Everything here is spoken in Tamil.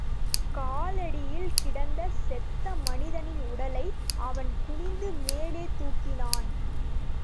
காலடியில் கிடந்த செத்த மனிதனின் உடலை அவன் குனிந்து மேலே தூக்கினான்.